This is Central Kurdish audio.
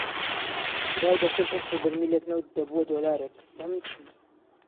خوای دەکرد نرخی بەرمیلێک نەوت دەبووە دۆلارێک، بەمن چی